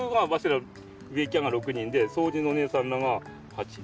ら植木屋が６人で掃除のお姉さんらが８人？